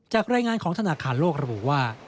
รายงานของธนาคารโลกระบุว่า